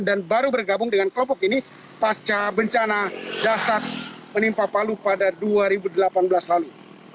dan baru bergabung dengan kelompok ini pasca bencana dasar menimpa palu pada dua ribu delapan belas lalu